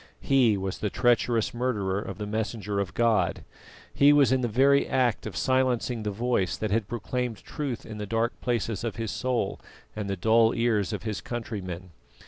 He was the treacherous murderer of the Messenger of God; he was in the very act of silencing the Voice that had proclaimed truth in the dark places of his soul and the dull ears of his countrymen.